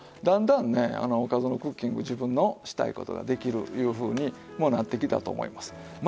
だんだんね『おかずのクッキング』自分のしたい事ができるいうふうにもうなってきたと思います。